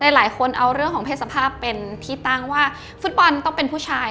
หลายคนเอาเรื่องของเพศสภาพเป็นที่ตั้งว่าฟุตบอลต้องเป็นผู้ชาย